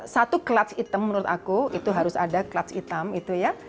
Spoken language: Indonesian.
satu clutch item menurut aku itu harus ada clutch item itu ya